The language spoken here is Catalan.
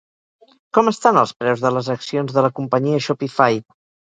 Com estan els preus de les accions de la companyia Shopify?